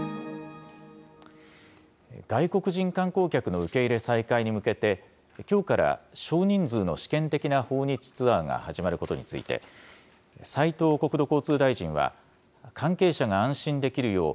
外国人観光客の受け入れ再開に向けて、きょうから、少人数の試験的な訪日ツアーが始まることについて、斉藤国土交通大臣は、関係者が安心できるよう、